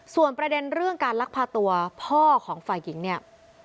ส่วนประเด็นเรื่องการลักพาตัวพ่อของฝ่ายหญิงเนี่ย